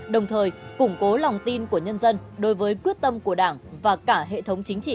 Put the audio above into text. đồng thời củng cố lòng tin của nhân dân đối với quyết tâm của đảng và cả hệ thống chính trị